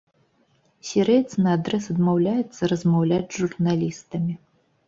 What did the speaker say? Сірыец наадрэз адмаўляецца размаўляць з журналістамі.